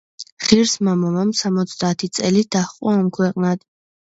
ღირსმა მამამ სამოცდაათი წელი დაჰყო ამქვეყნად.